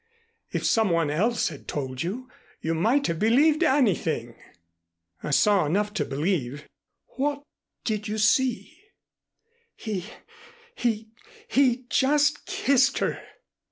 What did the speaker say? "If some one else had told you, you might have believed anything." "I saw enough to believe " "What did you see?" "He he he just kissed her."